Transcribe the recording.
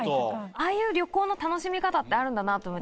ああいう旅行の楽しみ方ってあるんだなと思って。